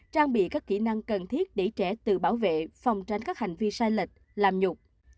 trang bị các kỹ năng cần thiết để trẻ tự bảo vệ phòng tránh các hành vi sai lệch làm nhục